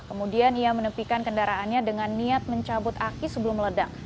kemudian ia menepikan kendaraannya dengan niat mencabut aki sebelum meledak